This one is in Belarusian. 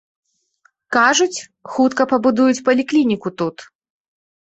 Кажуць, хутка пабудуць паліклініку тут.